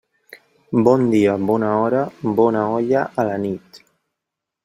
Bon dia, bona hora, bona olla a la nit.